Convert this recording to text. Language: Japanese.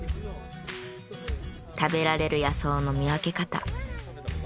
食べられる野草の見分け方。